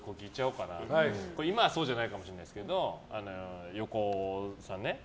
今はそうじゃないかもしれないですけど横尾さんね。